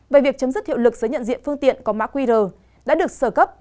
về việc chấm dứt hiệu lực giới nhận diện phương tiện có mã qr đã được sở cấp